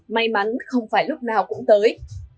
may mắn không phải lúc nào cũng tới